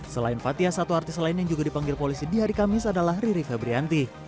selain fathia satu artis lain yang juga dipanggil polisi di hari kamis adalah riri febrianti